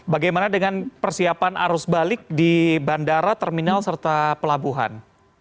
bagaimana dengan persiapan arus balik di bandara terminal serta pelabuhan